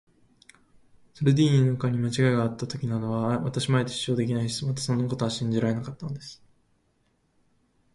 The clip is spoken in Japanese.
ソルディーニの課にまちがいがあったなどとは、私もあえて主張できないし、またそんなことは信じられなかったのです。